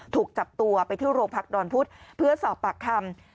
ถูกจับตัวไปที่โรงพักดอนพุธเพื่อสอบปากคำ